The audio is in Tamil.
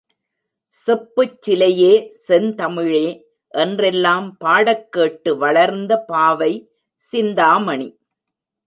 செப்புச் சிலையே, செந்தமிழே! என்றெல்லாம் பாடக்கேட்டு வளர்ந்த பாவை சிந்தாமணி.